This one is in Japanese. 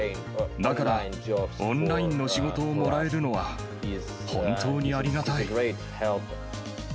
だからオンラインの仕事をもらえるのは、本当にありがたい。